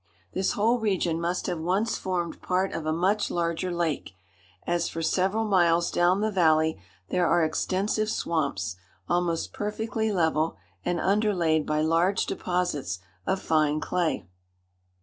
This whole region must have once formed part of a much larger lake, as for several miles down the valley there are extensive swamps, almost perfectly level and underlaid by large deposits of fine clay.